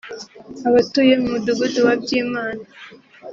Abatuye mu mudugudu wa Byimana